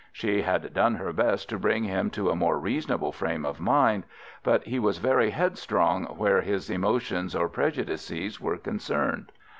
She had done her best to bring him to a more reasonable frame of mind, but he was very headstrong where his emotions or prejudices were concerned.